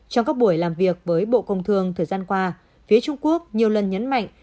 trong các buổi làm việc với bộ công thương thời gian qua phía trung quốc nhiều lần nhấn mạnh